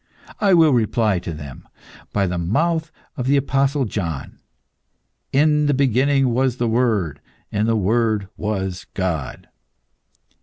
I will reply to them, by the mouth of the Apostle John, 'In the beginning was the Word, and the Word was God.